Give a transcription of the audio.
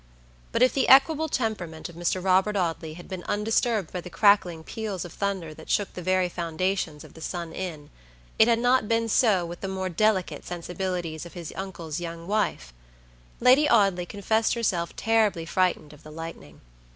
But if the equable temperament of Mr. Robert Audley had been undisturbed by the crackling peals of thunder that shook the very foundations of the Sun Inn, it had not been so with the more delicate sensibilties of his uncle's young wife. Lady Audley confessed herself terribly frightened of the lightning.